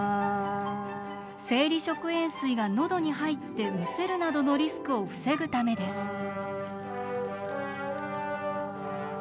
生理食塩水がのどに入ってむせるなどのリスクを防ぐためです。